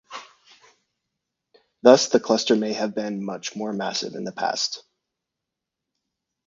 Thus the cluster may have been much more massive in the past.